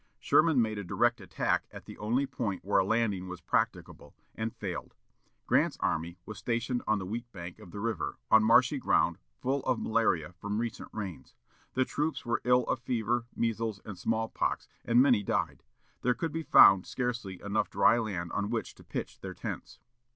Sherman made a direct attack at the only point where a landing was practicable, and failed. Grant's army was stationed on the west bank of the river, on marshy ground, full of malaria, from recent rains. The troops were ill of fever, measles, and small pox, and many died. There could be found scarcely enough dry land on which to pitch their tents.